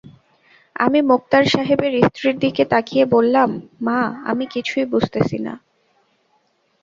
আমি মোক্তার সাহেবের স্ত্রীর দিকে তাকিয়ে বললাম, মা, আমি কিছুই বুঝতেছি না।